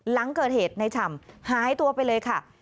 หลังเกิดเหตุในฉ่ำหายตัวไปเลยค่ะ